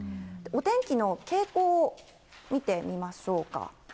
お天気の傾向を見てみましょうか。